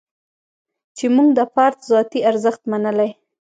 چې موږ د فرد ذاتي ارزښت منلی.